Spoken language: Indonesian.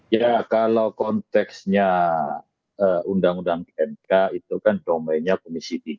ya kalau konteksnya undang undang mk itu kan domainnya komisi tiga